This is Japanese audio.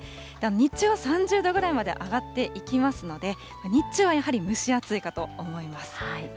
日中は３０度ぐらいまで上がっていきますので、日中はやはり蒸し暑いかと思います。